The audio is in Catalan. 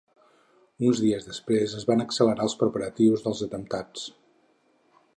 Uns dies després, es van accelerar els preparatius dels atemptats.